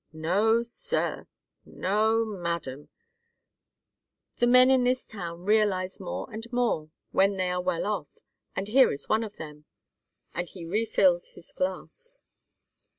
No, sir. No, madam! The men in this town realize more and more when they are well off, and here is one of them." And he refilled his glass.